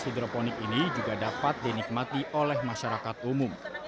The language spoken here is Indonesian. hidroponik ini juga dapat dinikmati oleh masyarakat umum